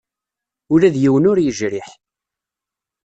Ula d yiwen ur yejriḥ.